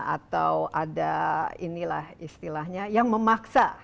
atau ada inilah istilahnya yang memaksa